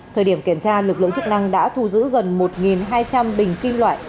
thời điểm kiểm tra lực lượng chức năng đã thu giữ gần một hai trăm linh bình kim loại